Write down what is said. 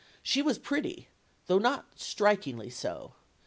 She was pretty though not strikingly so.